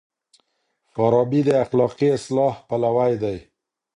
فارابي د اخلاقي اصلاح پلوی دی.